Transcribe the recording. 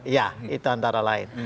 ya itu antara lain